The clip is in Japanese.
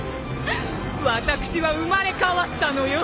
私は生まれ変わったのよ！